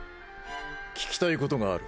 聞きたいことがある。